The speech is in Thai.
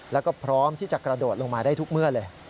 แล้วก็พร้อมที่จะกระโดดลงมาได้ทุกเมื่อเลย